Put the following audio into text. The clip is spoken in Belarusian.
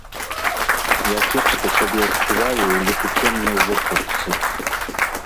Я кепска сябе адчуваю ў летуценнай вопратцы.